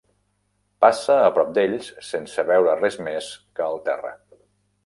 Passa a prop d'ells sense veure res més que el terra.